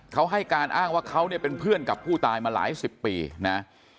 เขาให้การอ้างว่าเขาเนี่ยเป็นเพื่อนกับผู้ตายมาหลายสิบปีนะ